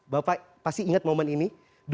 bapak pasti ingat momen ini